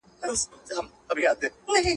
خپل لاس به تل د نورو په مرسته کي لرئ.